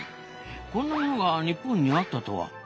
こんなものが日本にあったとは。